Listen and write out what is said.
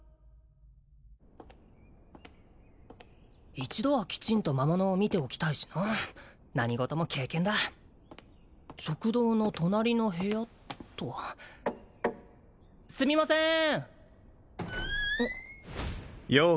一度はきちんと魔物を見ておきたいしな何事も経験だ食堂の隣の部屋っとすみませーん